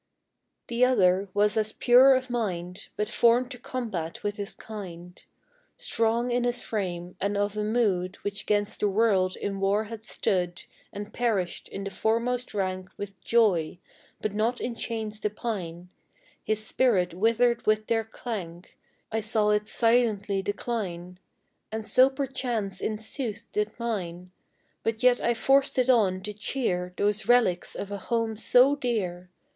The other was as pure of mind, But formed to combat with his kind; Strong in his frame, and of a mood Which 'gainst the world in war had stood, And perished in the foremost rank With joy; but not in chains to pine; His spirit withered with their clank, I saw it silently decline, And so perchance in sooth did mine; But yet I forced it on to cheer Those relics of a home so dear.